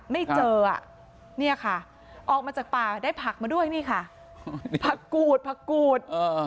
ไม่เจออ่ะเนี่ยค่ะออกมาจากป่าได้ผักมาด้วยนี่ค่ะผักกูดผักกูด